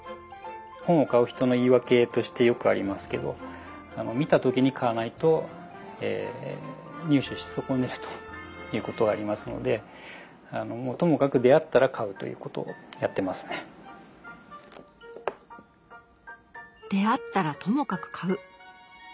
本を買う人の言い訳としてよくありますけど見た時に買わないと入手し損ねるということがありますのでともかく出会ったらともかく買う。